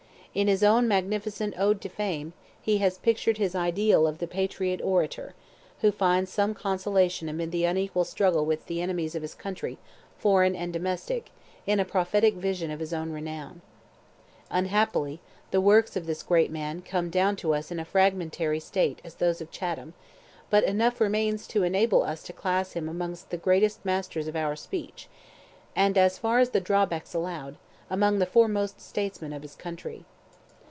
In his own magnificent "Ode to Fame," he has pictured his ideal of the Patriot orator, who finds some consolation amid the unequal struggle with the enemies of his country, foreign and domestic, in a prophetic vision of his own renown. Unhappily, the works of this great man come down to us in as fragmentary a state as those of Chatham; but enough remains to enable us to class him amongst the greatest masters of our speech, and, as far as the drawbacks allowed, among the foremost statesmen of his country.